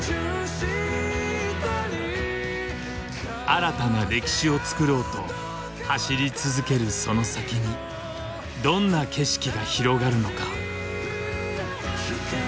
新たな歴史をつくろうと走り続けるその先にどんな景色が広がるのか。